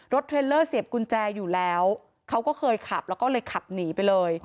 เทรลเลอร์เสียบกุญแจอยู่แล้วเขาก็เคยขับแล้วก็เลยขับหนีไปเลย